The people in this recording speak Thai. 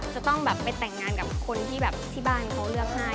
จะต้องแบบไปแต่งงานกับคนที่แบบที่บ้านเขาเลือกให้